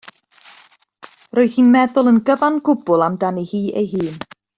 Roedd hi'n meddwl yn gyfan gwbl amdani hi ei hun.